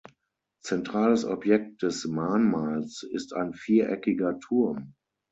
Zentrales Objekt des Mahnmals ist ein viereckiger Turm.